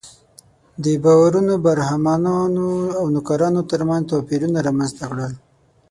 دې باورونو برهمنانو او نوکرانو تر منځ توپیرونه رامنځته کړل.